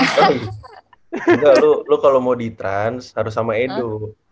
engga lu kalau mau di trans harus sama edo